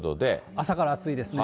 朝から暑いですね。